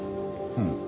うん。